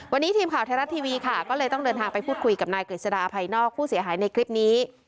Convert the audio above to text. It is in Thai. วันนี้ทีมข่าวไทยรัฐทีวีค่ะก็เลยต้องเดินทางไปพูดคุยกับนายกฤษฎาภายนอกผู้เสียหายในคลิปนี้